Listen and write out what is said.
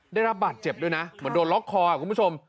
ได้รับบาดเจ็บด้วยนะเหมือนโดนล็อกคอคุณผู้ชม